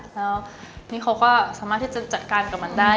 แล้วพี่เขาก็สามารถที่จะจัดการกับมันได้